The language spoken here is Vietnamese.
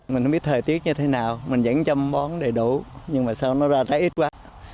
mình không biết thời tiết như thế nào mình vẫn chăm bón đầy đủ nhưng mà sao nó ra ra ít quá